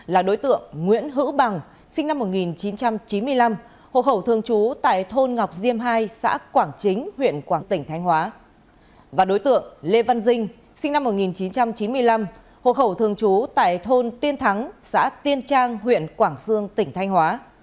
và đối tượng lê văn dinh sinh năm một nghìn chín trăm chín mươi năm hộ khẩu thường trú tại thôn tiên thắng xã tiên trang huyện quảng dương tỉnh thanh hóa